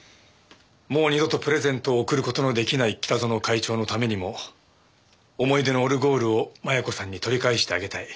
もう二度とプレゼントを贈る事の出来ない北薗会長のためにも思い出のオルゴールを摩耶子さんに取り返してあげたい。